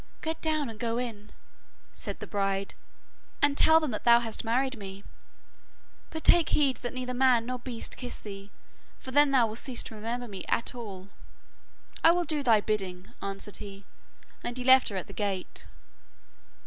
'Get down and go in,' said the bride, 'and tell them that thou hast married me. But take heed that neither man nor beast kiss thee, for then thou wilt cease to remember me at all.' 'I will do thy bidding,' answered he, and left her at the gate.